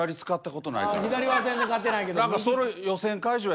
ああ左は全然勝てないけど。